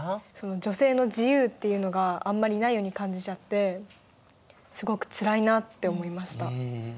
女性の自由っていうのがあんまりないように感じちゃってすごくつらいなって思いました。